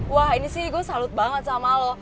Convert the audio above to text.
wah ini sih gue salut banget sama lo